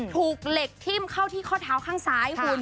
ถูกเหล็กทิ้มเข้าที่ข้อเท้าข้างซ้ายคุณ